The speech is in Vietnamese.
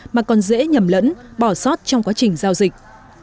mà còn dễ nhầm lẫn bỏ sót trong quá trình giao dịch